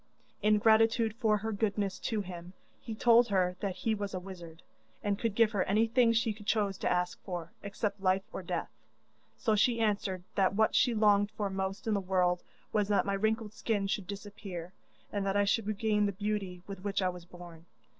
In gratitude for her goodness to him, he told her that he was a wizard and could give her anything she chose to ask for, except life or death, so she answered that what she longed for most in the world was that my wrinkled skin should disappear, and that I should regain the beauty with which I was born.